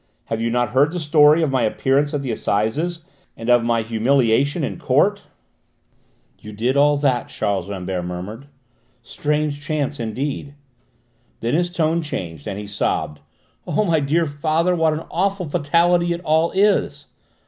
Have you not heard the story of my appearance at the Assizes and of my humiliation in court?" "You did all that!" Charles Rambert murmured. "Strange chance, indeed!" Then his tone changed and he sobbed. "Oh, my poor father, what an awful fatality it all is!"